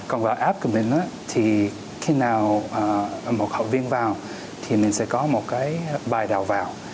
còn vào app của mình thì khi nào một học viên vào thì mình sẽ có một cái bài đào vào